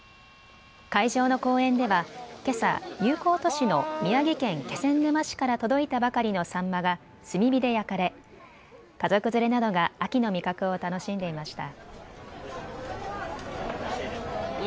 会場の公園ではけさ、友好都市の宮城県気仙沼市から届いたばかりのサンマが炭火で焼かれ家族連れなどが秋の味覚を楽しんでいました。